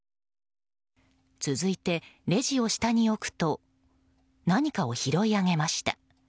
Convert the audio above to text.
続いて、レジを下に置くと何かを拾い上げました。